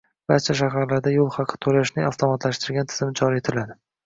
Barcha shaharlarda yo‘l haqi to‘lashning avtomatlashtirilgan tizimi joriy etiladi